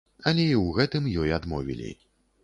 Але і ў гэтым ёй адмовілі.